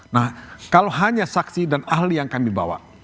nah kalau hanya saksi dan ahli yang kami bawa